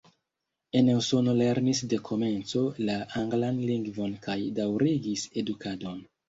En Usono lernis de komenco la anglan lingvon kaj daŭrigis edukadon.